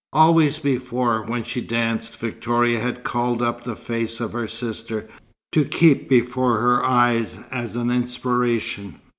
Always before, when she danced, Victoria had called up the face of her sister, to keep before her eyes as an inspiration.